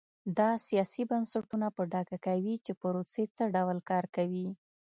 دا سیاسي بنسټونه په ډاګه کوي چې پروسې څه ډول کار کوي.